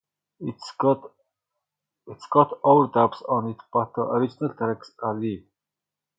It's got overdubs on it, but the original tracks are live.